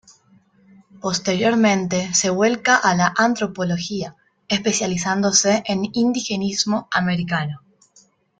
Posteriormente se vuelca a la antropología, especializándose en indigenismo americano.